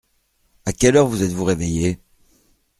À quelle heure vous êtes-vous réveillés ?